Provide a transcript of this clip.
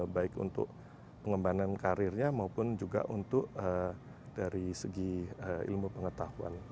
baik untuk pengembangan karirnya maupun juga untuk dari segi ilmu pengetahuan